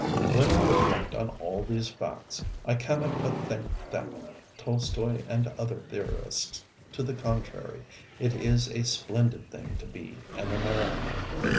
When I reflect on all these facts, I cannot but think that, Tolstoi and other theorists to the contrary, it is a splendid thing to be an American.